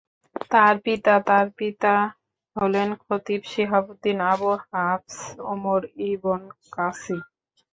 তাঁর পিতাঃ তার পিতা হলেন খতীব শিহাবউদ্দীন আবু হাফস উমর ইবন কাসীর।